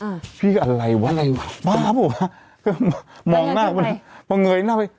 อ่าพี่ก็อะไรวะอะไรวะบ้าพูดว่ามองหน้าไปมองเหนื่อยหน้าไป